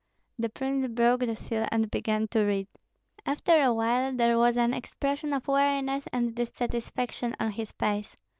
The prince broke the seal and began to read. After a while there was an expression of weariness and dissatisfaction on his face.